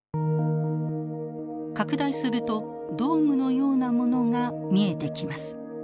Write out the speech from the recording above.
拡大するとドームのようなものが見えてきます。